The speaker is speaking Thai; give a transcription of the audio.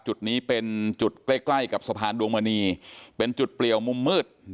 จุดนี้เป็นจุดใกล้กับสะพานดวงมณีเป็นจุดเปลี่ยวมุมมืด